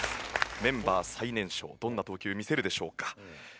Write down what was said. メンバー最年少どんな投球を見せるでしょうか？